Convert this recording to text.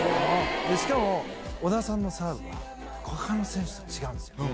しかも、小田さんのサーブは、ほかの選手と違うんです。